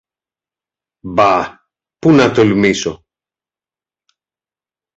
Μπα! Πού να τολμήσω!